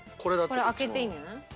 これ開けていいんじゃない？